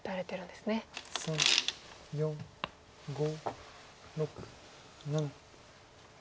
３４５６７。